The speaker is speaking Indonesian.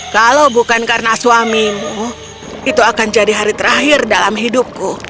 kalau bukan karena suamimu itu akan jadi hari terakhir dalam hidupku